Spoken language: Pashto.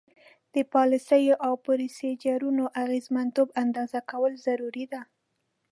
د پالیسیو او پروسیجرونو اغیزمنتوب اندازه کول ضروري دي.